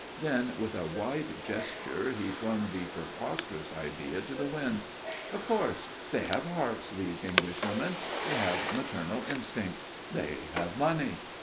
Then, with a wide gesture, he flung the preposterous idea to the winds. "Of course. They have hearts, these English women. They have maternal instincts. They have money."